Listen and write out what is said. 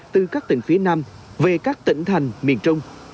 từ các tỉnh phía nam về các tỉnh thành miền trung